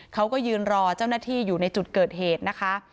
เขาก็ยืนรอเจ้าหน้าที่อยู่ในจุดเกิดเหตุนะคะ